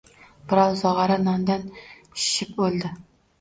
Birov zog‘ora nondan shishib o‘ldi.